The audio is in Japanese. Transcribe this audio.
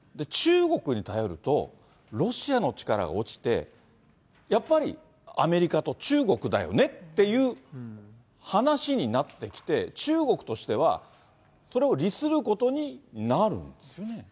中国に頼ると、ロシアの力が落ちて、やっぱりアメリカと中国だよねっていう話になってきて、中国としては、それを利することになるんですよね。